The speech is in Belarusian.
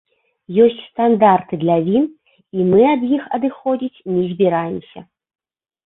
Ёсць стандарты для він, і мы ад іх адыходзіць не збіраемся.